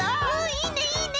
いいねいいね！